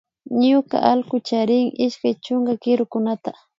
Ñuka allku charin ishkay chunka kirukunata